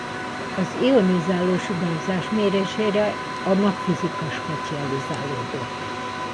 Az ionizáló sugárzás mérésére a magfizika specializálódott.